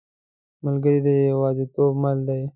ملګری د یوازیتوب مل دی.